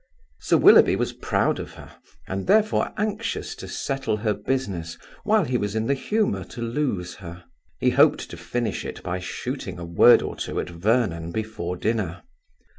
Sir Willoughby was proud of her, and therefore anxious to settle her business while he was in the humour to lose her. He hoped to finish it by shooting a word or two at Vernon before dinner.